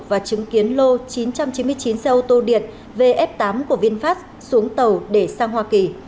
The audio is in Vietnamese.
và chứng kiến lô chín trăm chín mươi chín xe ô tô điện vf tám của vinfast xuống tàu để sang hoa kỳ